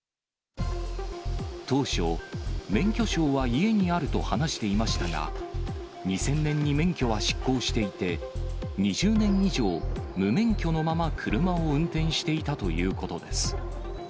当初、免許証は家にあると話していましたが、２０００年に免許は失効していて、２０年以上、無免許のまま車を運転していたということです。